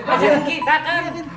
ajarin dong ajarin dong